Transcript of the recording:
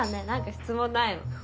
何か質問ないの？